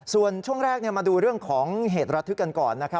ส่วนช่วงแรกมาดูเรื่องของเหตุระทึกกันก่อนนะครับ